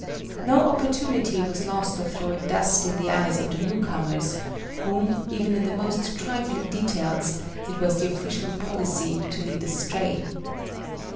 No opportunity was lost of throwing dust in the eyes of the new comers, whom, even in the most trifling details, it was the official policy to lead astray.